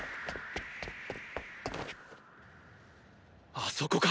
あそこか！